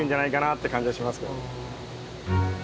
って感じがしますけどもね。